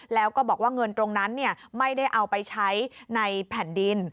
แล้วก็บอกว่าเงินตรงนั้นไม่ได้เอาไปใช้ในแผ่นดิน